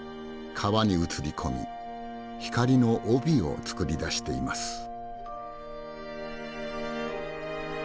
川に映り込み光の帯を作り出しています。